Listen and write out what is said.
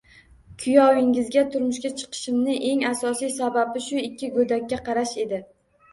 Kuyovingizga turmushga chiqishimning eng asosiy sababi shu ikki go'dakka qarash edi.